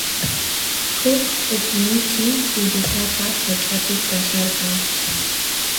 Huk uqi michi k'ullusapa sach'api kasharqan.